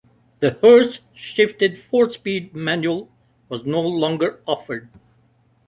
The Hurst-shifted four-speed manual was no longer offered.